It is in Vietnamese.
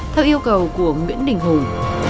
theo yêu cầu của nguyễn đình hùng